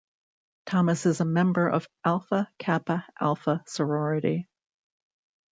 Thomas is a member of Alpha Kappa Alpha sorority.